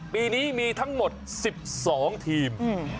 ปีนี้มีทั้งหมด๑๒ทีม